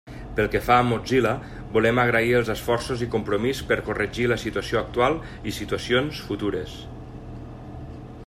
Pel que fa a Mozilla, volem agrair els esforços i compromís per corregir la situació actual i situacions futures.